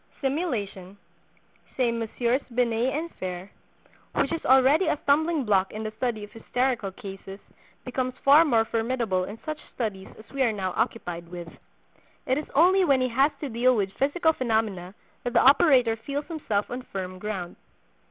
"Simulation," say Messieurs Binet and Fere, "which is already a stumbling block in the study of hysterical cases, becomes far more formidable in such studies as we are now occupied with. It is only when he has to deal with physical phenomena that the operator feels himself on firm ground."